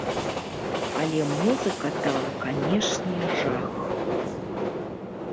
Але музыка там, канешне, жах.